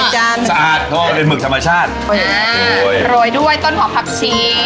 สะอาดเพราะอาจเป็นหมึกสามารยชาติเริ่มโดยโดยต้นหอผับชี้